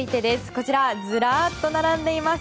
こちら、ずらっと並んでいます。